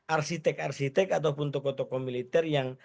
arsitek arsitek ataupun tokoh tokoh militer yang